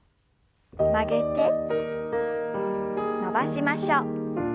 曲げて伸ばしましょう。